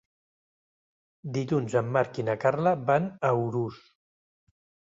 Dilluns en Marc i na Carla van a Urús.